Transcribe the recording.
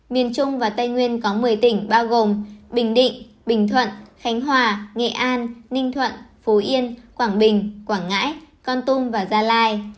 miền trung và tây nguyên có một mươi tỉnh bao gồm bình định bình thuận khánh hòa nghệ an ninh thuận phú yên quảng bình quảng ngãi con tum và gia lai